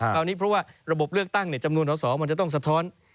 คราวนี้เพราะว่าระบบเลือกตั้งจำนวนสอสอมันจะต้องสะท้อน